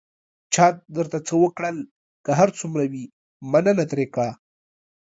چا درته څه وکړل، که هر څومره وي، مننه ترې وکړه.